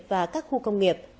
và các khu công nghiệp